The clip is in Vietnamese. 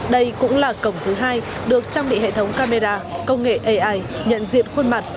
đây cũng là cổng thứ hai được trang bị hệ thống camera công nghệ ai nhận diện khuôn mặt